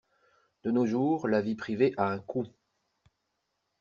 De nos jours, la vie privée à un coût.